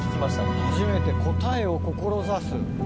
初めて「答え」を「志す」。